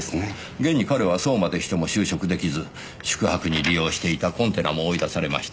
現に彼はそうまでしても就職できず宿泊に利用していたコンテナも追い出されました。